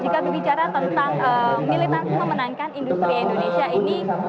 jika berbicara tentang militansi memenangkan industri indonesia ini